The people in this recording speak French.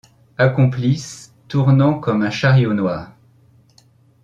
Accomplisse, tournant comme un chariot noir